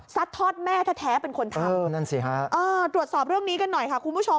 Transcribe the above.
ทอดแม่แท้เป็นคนทำตรวจสอบเรื่องนี้กันหน่อยค่ะคุณผู้ชม